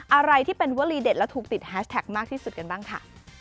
อะไรที่เป็นวลีเด็ดและถูกติดแฮชแท็กมากที่สุดกันบ้างค่ะ